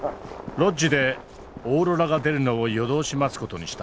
ロッジでオーロラが出るのを夜通し待つ事にした。